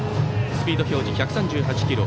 スピード表示１３８キロ。